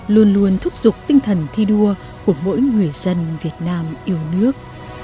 luôn luôn thúc giục tinh thần thi đua của mỗi người dân việt nam yêu nước